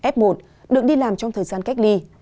f một được đi làm trong thời gian cách ly